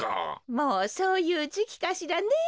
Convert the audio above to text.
もうそういうじきかしらねえ。